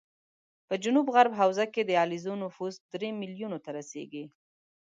په جنوب غرب حوزه کې د علیزو نفوس درې ملیونو ته رسېږي